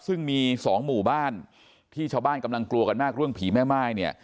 ซึ่งมีสองหมู่บ้านที่ชาวบ้านกำลังกลัวกันมากเรื่องผีแม่ม่ายเนี่ย